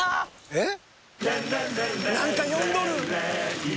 えっ？